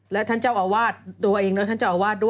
และท่านเจ้าอาวาสตัวเองและท่านเจ้าอาวาสด้วย